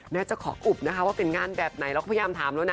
จะขออุบนะคะว่าเป็นงานแบบไหนเราก็พยายามถามแล้วนะ